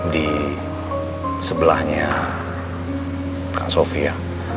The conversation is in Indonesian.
di sebelahnya kak sofia